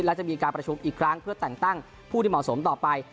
และจะมีการประชุมอีกครั้งเพื่อแต่งตั้งผู้ที่เหมาะสมต่อไป